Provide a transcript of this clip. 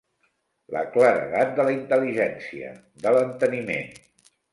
La claredat de la intel·ligència, de l'enteniment.